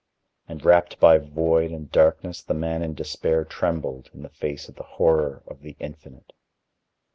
"and wrapped by void and darkness the man in despair trembled in the face of the Horror of the Infinite."